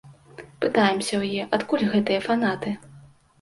Пытаемся ў яе, адкуль гэтыя фанаты.